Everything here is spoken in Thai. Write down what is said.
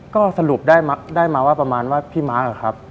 ก็สรุปได้มาว่าประมาณว่าพี่ม้าครับ